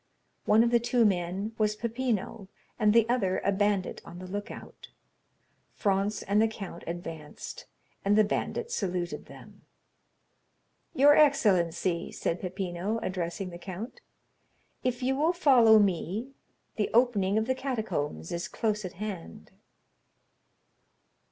One of the two men was Peppino, and the other a bandit on the lookout. Franz and the count advanced, and the bandit saluted them. "Your excellency," said Peppino, addressing the count, "if you will follow me, the opening of the catacombs is close at hand."